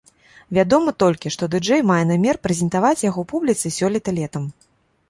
Вядома толькі, што ды-джэй мае намер прэзентаваць яго публіцы сёлета летам.